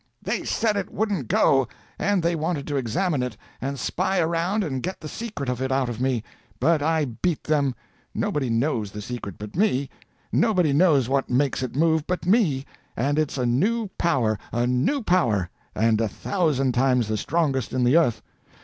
They said it wouldn't go; and they wanted to examine it, and spy around and get the secret of it out of me. But I beat them. Nobody knows the secret but me. Nobody knows what makes it move but me; and it's a new power—a new power, and a thousand times the strongest in the earth!